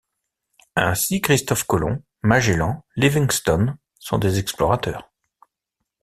Ainsi Christophe Colomb, Magellan, Livingstone sont des explorateurs.